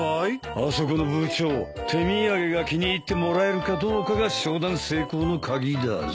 あそこの部長手土産が気に入ってもらえるかどうかが商談成功の鍵だぞ。